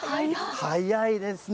早いですね。